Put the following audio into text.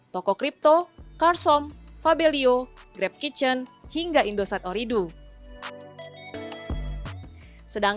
toko kripto karsom fabelio grab kitchen hingga indosat oridu